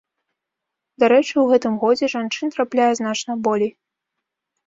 Дарэчы, у гэтым годзе жанчын трапляе значна болей.